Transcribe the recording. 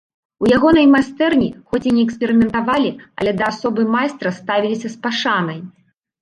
У ягонай майстэрні, хоць і не эксперыментавалі, але да асобы майстра ставіліся з пашанай.